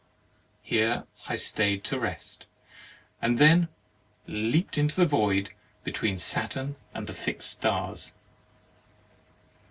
Here I stayed to rest, and then leaped into the void between Saturn and the fixed stars.